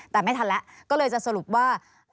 แต่ไม่ทันแล้วก็เลยจะสรุปว่า